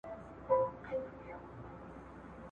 آیا دا اپلیکیشن ستاسو لپاره ګټور و؟